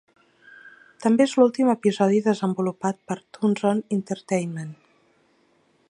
També és l'últim episodi desenvolupat per Toonzone Entertainment.